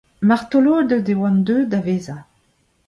Martoloded e oant deut da vezañ.